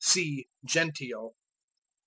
See Genteel.